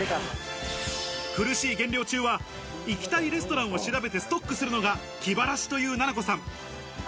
苦しい減量中は行きたいレストランを調べてストックするのが気晴らしというなな子さん。